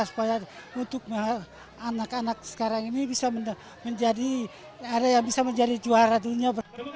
supaya untuk anak anak sekarang ini bisa menjadi juara dunia